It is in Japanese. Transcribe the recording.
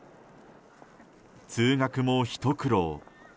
通学も、ひと苦労。